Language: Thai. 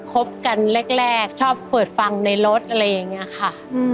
คบกันแรกชอบเปิดฟังในรถอะไรอย่างนี้ค่ะ